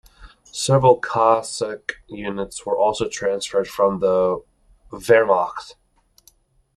Several Cossack units were also transferred from the Wehrmacht.